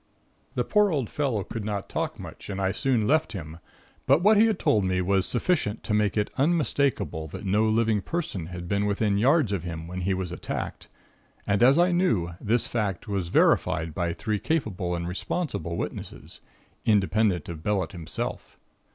"The poor old fellow could not talk much, and I soon left him; but what he had told me was sufficient to make it unmistakable that no living person had been within yards of him when he was attacked; and, as I knew, this fact was verified by three capable and responsible witnesses, independent of Bellett himself.